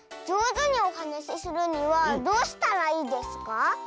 じょうずにおはなしするにはどうしたらいいですか？